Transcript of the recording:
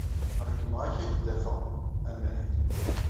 Ṛeggmeɣ-ak ad ak-d-afeɣ amahil.